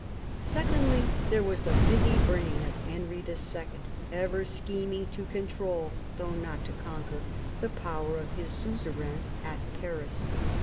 Secondly, there was the busy brain of Henry II. ever scheming to control, though not to conquer, the power of his suzerain at Paris.